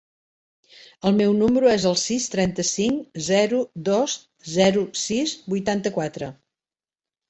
El meu número es el sis, trenta-cinc, zero, dos, zero, sis, vuitanta-quatre.